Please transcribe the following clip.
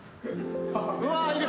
うわいる。